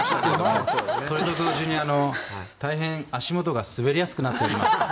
それと同時に大変足元が滑りやすくなっております。